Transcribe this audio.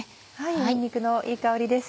にんにくのいい香りです。